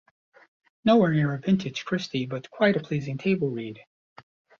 Nowhere near a vintage Christie but quite a pleasing table-read.